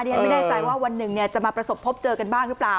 ฉันไม่แน่ใจว่าวันหนึ่งจะมาประสบพบเจอกันบ้างหรือเปล่า